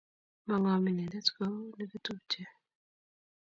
Mangom inendet kuu negitupche